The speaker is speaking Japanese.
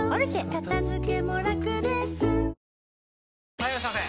・はいいらっしゃいませ！